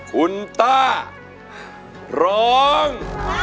คุณต้าร้อง